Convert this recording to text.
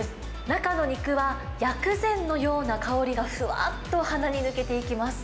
中の肉は薬膳のような香りがふわっと鼻に抜けていきます。